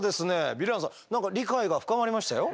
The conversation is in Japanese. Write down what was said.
ヴィランさん理解が深まりましたよ。